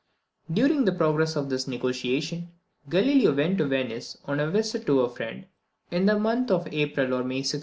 During the progress of this negotiation, Galileo went to Venice, on a visit to a friend, in the month of April or May 1609.